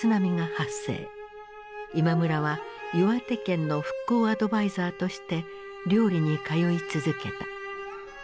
今村は岩手県の復興アドバイザーとして綾里に通い続けた。